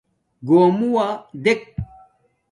گݸمُݸ دݵک